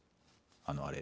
あのあれ。